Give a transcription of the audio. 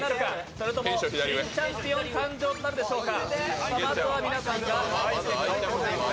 それとも新チャンピオン誕生となるでしょうか。